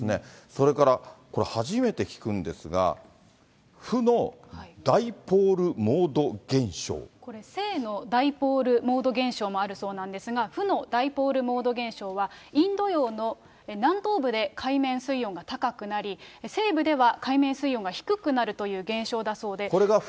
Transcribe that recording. それから、これ初めて聞くんですが、これ、正のダイポールモード現象もあるんですが、負のダイポールモード現象は、インド洋の南東部で海面水温が高くなり、西部では海面水温が低くなるという現象だそうで。